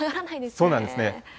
そうなんですね。